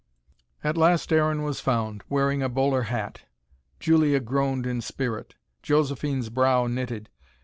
At last Aaron was found wearing a bowler hat. Julia groaned in spirit. Josephine's brow knitted.